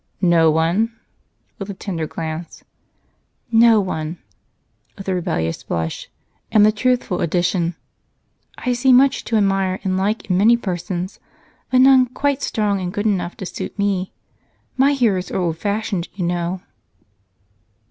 "No one?" with a tender glance. "No one" with a rebellious blush, and the truthful addition "I see much to admire and like in many persons, but none quite strong and good enough to suit me. My heroes are old fashioned, you know."